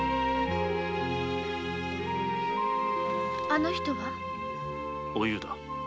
あの人が？お夕だ。